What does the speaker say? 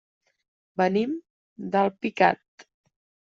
Venim d'Alpicat.